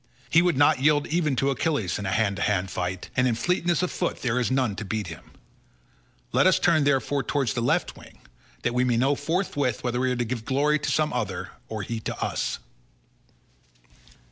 He would not yield even to Achilles in hand to hand fight, and in fleetness of foot there is none to beat him; let us turn therefore towards the left wing, that we may know forthwith whether we are to give glory to some other, or he to us."